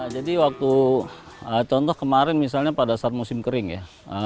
jadi waktu contoh kemarin misalnya pada saat musim kering ya